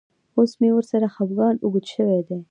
اوس مې ورسره خپګان اوږد شوی دی.